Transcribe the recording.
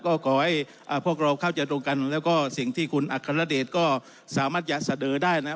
ก็ขอให้พวกเราเข้าใจตรงกันแล้วก็สิ่งที่คุณอัครเดชก็สามารถจะเสนอได้นะครับ